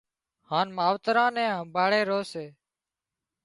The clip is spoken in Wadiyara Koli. هانَ ماوتران نين همڀاۯي رو سي